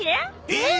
えっ！？